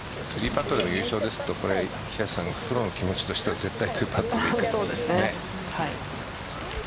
３パットでも優勝ですけど平瀬さん、プロの気持ちとしては絶対２パッそうですね。